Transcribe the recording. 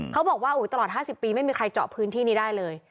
เขาบอกว่าตลอด๕๐ปีไม่มีใครเจาะพื้นที่นี้ได้เลย